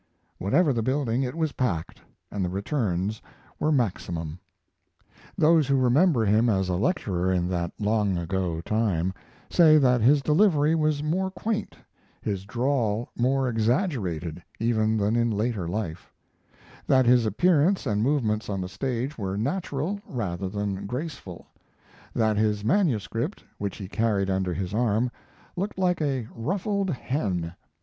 Whatever the building, it was packed, and the returns were maximum. Those who remember him as a lecturer in that long ago time say that his delivery was more quaint, his drawl more exaggerated, even than in later life; that his appearance and movements on the stage were natural, rather than graceful; that his manuscript, which he carried under his arm, looked like a ruffled hen.